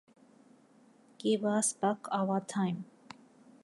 Give us back our time.